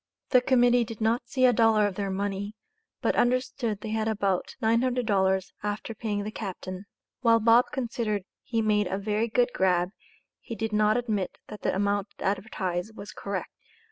The Committee did not see a dollar of their money, but understood they had about $900, after paying the captain; while Bob considered he made a "very good grab," he did not admit that the amount advertised was correct.